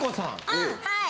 うんはい。